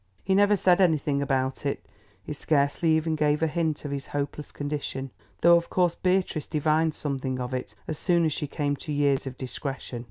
He never said anything about it, he scarcely even gave a hint of his hopeless condition, though of course Beatrice divined something of it as soon as she came to years of discretion.